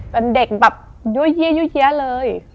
เป็นเด็กแบบเยอะแยะเลย